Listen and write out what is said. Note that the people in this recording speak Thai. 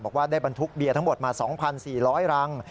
บอกว่าได้บรรทุกเบียร์ทั้งหมดมา๒๔๐๐รัง